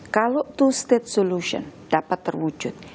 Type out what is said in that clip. kalau dua negara solusi dapat terwujud